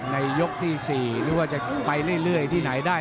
ในยกที่๔หรือว่าจะไปเรื่อยที่ไหนได้